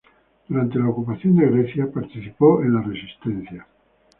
Durante la ocupación de Grecia participó en la resistencia.